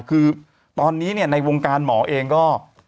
คือตอนนี้เนี่ยในวงการหมอเองก็